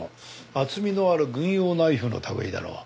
厚みのある軍用ナイフの類いだろう。